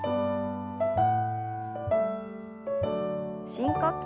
深呼吸。